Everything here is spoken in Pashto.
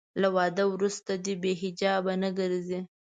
له واده وروسته دې بې حجابه نه ګرځي.